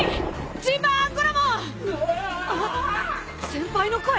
先輩の声！？